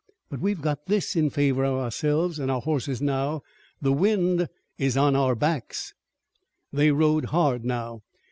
But we've got this in favor of ourselves an' our hosses now: The wind is on our backs." They rode hard now.